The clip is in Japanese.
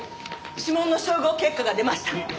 指紋の照合結果が出ました。